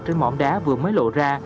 trên mỏm đá vừa mới lộ ra